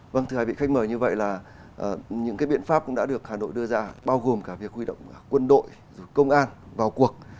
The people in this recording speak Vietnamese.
vâng thưa hai vị khách mời như vậy là những cái biện pháp cũng đã được hà nội đưa ra bao gồm cả việc huy động quân đội công an vào cuộc